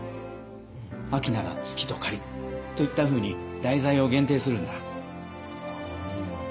秋なら「月と雁」といったふうに題材を限定するんだ。